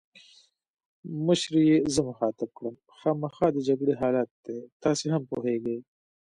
مشرې یې زه مخاطب کړم: خامخا د جګړې حالات دي، تاسي هم پوهېږئ.